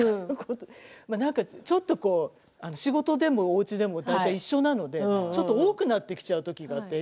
ちょっと仕事でもおうちでも大体一緒なのでちょっと多くなってきたときがあって。